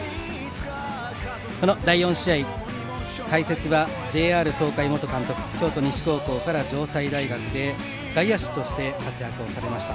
この第４試合の解説はＪＲ東海元監督京都西高校から城西大学で外野手として活躍されました。